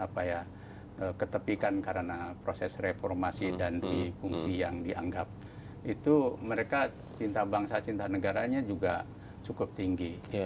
apa ya ketepikan karena proses reformasi dan di fungsi yang dianggap itu mereka cinta bangsa cinta negaranya juga cukup tinggi